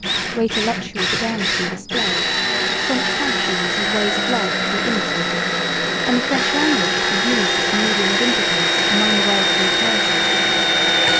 Greater luxury began to be displayed, French fashions and ways of life to be imitated, and the French language to be used as the medium of intercourse among the well to do classes.